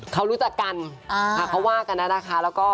เขารู้จักกันเขาว่ากันแล้วนะคะแล้วก็